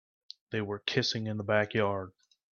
They were kissing in the backyard.